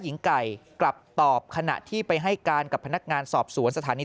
หญิงไก่กลับตอบขณะที่ไปให้การกับพนักงานสอบสวนสถานี